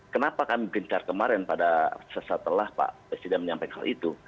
kenapa kami gencar kemarin setelah pak presiden menyampaikan hal itu